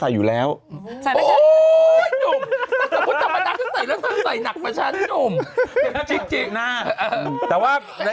หยุดก่อนน้องพี่ก็กลัว